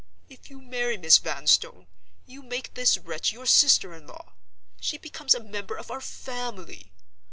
If you marry Miss Vanstone, you make this wretch your sister in law. She becomes a member of our family.